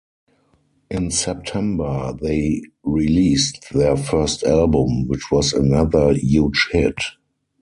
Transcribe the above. In September they released their first album, which was another huge hit.